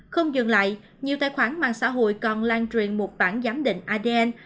không dừng lại nhiều tài khoản mạng xã hội còn lan truyền một bản giám định adn